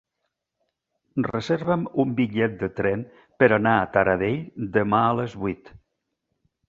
Reserva'm un bitllet de tren per anar a Taradell demà a les vuit.